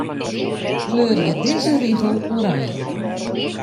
Kleurje dizze rigel oranje.